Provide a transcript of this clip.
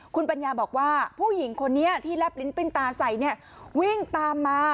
คุณปัญญาบอกว่าผู้หญิงคนนี้ที่แลบลิ้นปิ้นตาใส่เนี่ยวิ่งตามมา